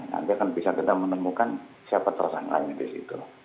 nanti akan bisa kita menemukan siapa tersangkanya disitu